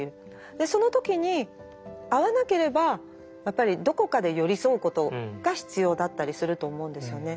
その時に合わなければやっぱりどこかで寄り添うことが必要だったりすると思うんですよね。